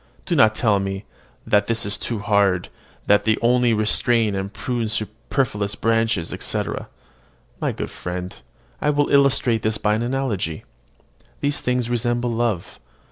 Do not tell me "that this is too hard, that they only restrain and prune superfluous branches, etc." My good friend, I will illustrate this by an analogy. These things resemble love.